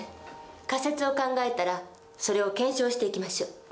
仮説を考えたらそれを検証していきましょう。